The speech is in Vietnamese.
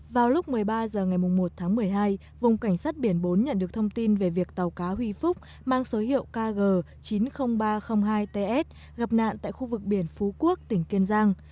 vào lúc một mươi ba h ngày một tháng một mươi hai vùng cảnh sát biển bốn nhận được thông tin về việc tàu cá huy phúc mang số hiệu kg chín mươi nghìn ba trăm linh hai ts gặp nạn tại khu vực biển phú quốc tỉnh kiên giang